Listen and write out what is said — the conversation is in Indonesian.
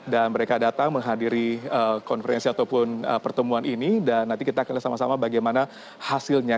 dan mereka datang menghadiri konferensi ataupun pertemuan ini dan nanti kita akan lihat sama sama bagaimana hasilnya